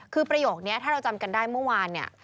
คือประโยคนี้ถ้าเราจำกันได้เมื่อวานเนี่ย